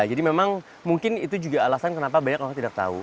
jadi memang mungkin itu juga alasan kenapa banyak orang tidak tahu